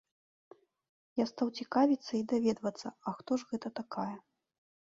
Я стаў цікавіцца і даведвацца, а хто ж гэта такая.